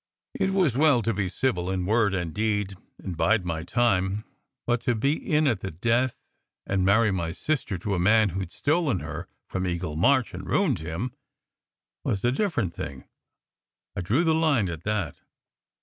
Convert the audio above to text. It was well to be civil in word and deed, and "bide my time," but to be in at the death, and marry my sister to a man who d stolen her from Eagle March and ruined him, was a different thing. I drew the line at that.